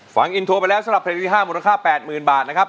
ฟังอินโทรไปแล้วสำหรับเพลงที่๕มูลค่า๘๐๐๐บาทนะครับ